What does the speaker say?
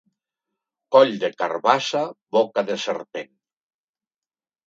Coll de carabassa, boca de serpent.